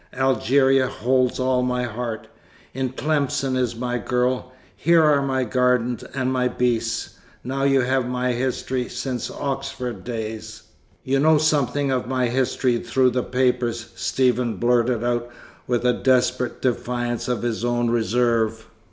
Algeria holds all my heart. In Tlemcen is my girl. Here are my garden and my beasts. Now you have my history since Oxford days." "You know something of my history through the papers," Stephen blurted out with a desperate defiance of his own reserve.